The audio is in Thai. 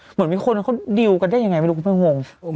เหมือนมีคนเดียวกันได้เง่อยังไงไม่รู้มันเรายังงง